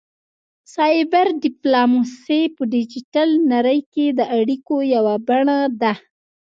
سایبر ډیپلوماسي په ډیجیټل نړۍ کې د اړیکو یوه بڼه ده